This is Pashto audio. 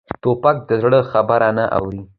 توپک د زړه خبرې نه اوري.